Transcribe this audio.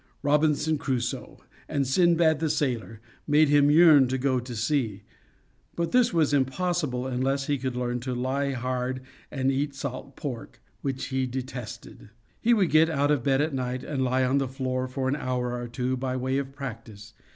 "Robinson Crusoe" and "Sindbad the Sailor" made him yearn to go to sea. But this was impossible unless he could learn to lie hard and eat salt pork, which he detested. He would get out of bed at night and lie on the floor for an hour or two by way of practice.